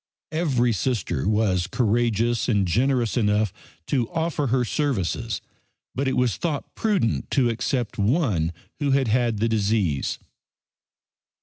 Every Sister was courageous and generous enough to offer her services, but it was thought prudent to accept one who had had the disease.